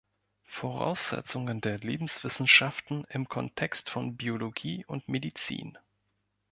Voraussetzungen der Lebenswissenschaften im Kontext von Biologie und Medizin.